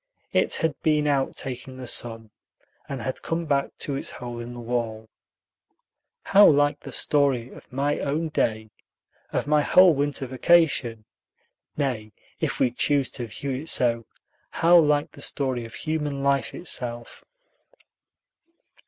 It had been out taking the sun, and had come back to its hole in the wall. How like the story of my own day, of my whole winter vacation! Nay, if we choose to view it so, how like the story of human life itself!